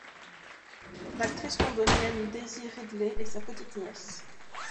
L'actrice londonienne Daisy Ridley est sa petite-nièce.